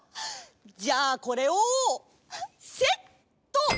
じゃあこれをセット！